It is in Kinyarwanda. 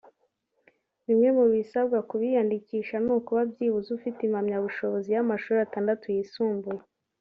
Bimwe mu bisabwa ku biyandikisha ni ukuba byibuze ufite impamyabushobozi y’amashuri atandatu yisumbuye